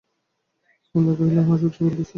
কমলা কহিল, হাঁ, সত্যিই বলিতেছি।